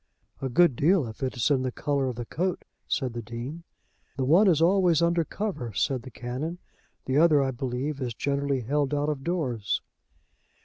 "A good deal, if it is in the colour of the coat," said the Dean. "The one is always under cover," said the Canon. "The other, I believe, is generally held out of doors."